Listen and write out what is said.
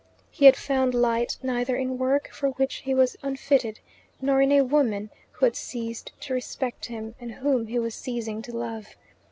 He had found light neither in work for which he was unfitted nor in a woman who had ceased to respect him, and whom he was ceasing to love.